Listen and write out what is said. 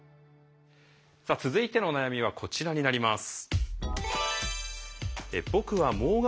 さあ続いてのお悩みはこちらになります。